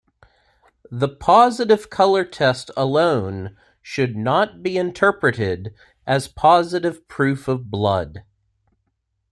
The positive color test alone should not be interpreted as positive proof of blood.